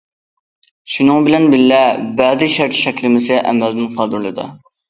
شۇنىڭ بىلەن بىللە، بەزى شەرت چەكلىمىسى ئەمەلدىن قالدۇرۇلىدۇ.